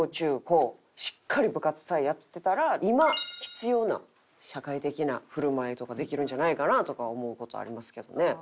しっかり部活さえやってたら今必要な社会的な振る舞いとかできるんじゃないかなとか思う事ありますけどね。